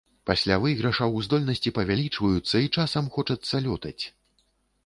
Пасля выйгрышаў здольнасці павялічваюцца, і часам хочацца лётаць.